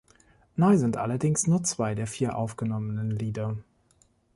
Neu sind allerdings nur zwei der vier aufgenommenen Lieder.